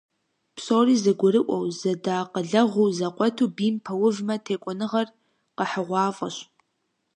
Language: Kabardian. Псори зэгурыӀуэу, зэдэакъылэгъуу, зэкъуэту бийм пэувмэ, текӀуэныгъэр къэхьыгъуафӀэщ.